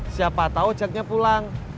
siapa tau ojaknya pulang